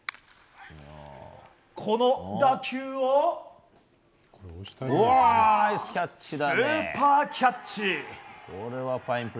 この打球をスーパーキャッチ！